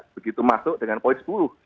begitu masuk dengan poin sepuluh